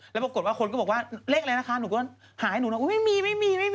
แล้วปรากฏว่าคนก็บอกว่าเลขอะไรนะคะหนูก็หาให้หนูนะอุ๊ยไม่มีไม่มี